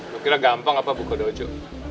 lu kira gampang apa buka dojo